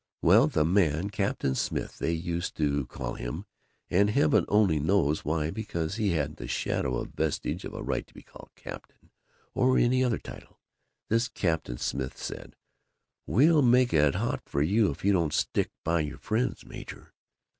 Well, the man Captain Smith they used to call him, and heaven only knows why, because he hadn't the shadow or vestige of a right to be called 'Captain' or any other title this Captain Smith said, 'We'll make it hot for you if you don't stick by your friends, Major.